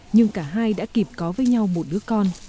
nhưng cả hai đã kịp có với nhau một đứa con